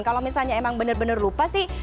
kalau misalnya emang bener bener lupa sih